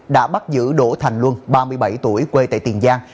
đã bắt giữ đỗ thành luân ba mươi bảy tuổi quê tại tiền giang